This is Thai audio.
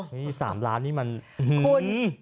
นี่๓ล้านนี่มันอื้อหือหือ